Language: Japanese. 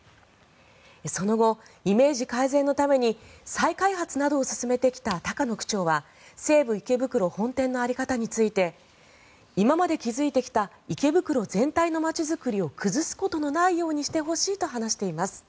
その後イメージ改善のために再開発などを進めてきた高野区長は西武池袋本店の在り方について今まで築いてきた池袋全体の街作りを崩すことのないようにしてほしいと話しています。